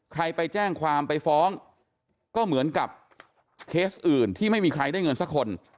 ใครไปแจ้งความไปฟ้องก็เหมือนกับเคสอื่นที่ไม่มีใครได้เงินสักคน